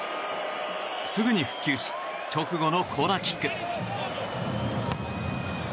すぐに復旧し直後のコーナーキック。